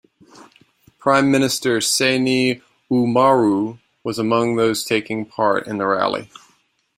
Prime Minister Seyni Oumarou was among those taking part in the rally.